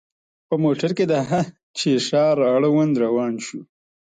په موټر کې د هه چه ښار اړوند روان شوو.